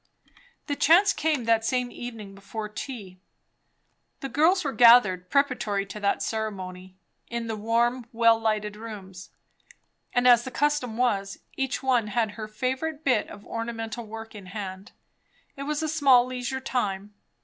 The chance came that same evening before tea. The girls were gathered, preparatory to that ceremony, in the warm, well lighted rooms; and as the custom was, each one had her favourite bit of ornamental work in hand. It was a small leisure time.